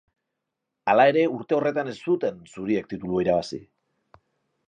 Hala ere, urte horretan ez zuten zuriek titulua irabazi.